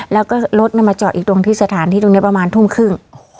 แล้วก็รถมาจอดอีกตรงที่สถานที่ตรงนี้ประมาณทุ่มครึ่ง